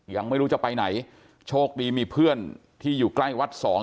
ยังไม่รู้จะไปไหนโชคดีมีเพื่อนที่อยู่ใกล้วัดสอง